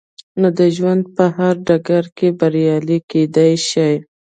نو د ژوند په هر ډګر کې بريالي کېدای شئ.